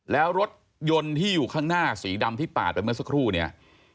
แล้วรถยนต์ที่อยู่ข้างหน้าสีดำที่ปาดไปเมื่อสักครู่เนี่ย